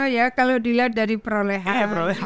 ya kalau dilihat dari perolehan